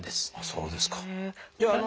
そうですか。